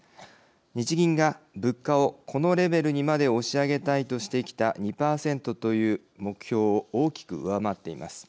日銀が物価をこのレベルにまで押し上げたいとしてきた２％という目標を大きく上回っています。